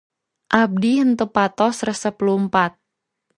Abdi henteu patos resep lumpat.